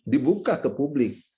dibuka ke publik